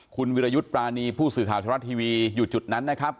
คุณวิรยุทธ์ปรานีผู้สื่อข่าวธนรัฐทีวีอยู่จุดนั้นนะครับ